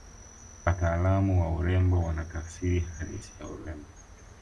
wataalamu wa urembo wana tafsiri halisi ya urembo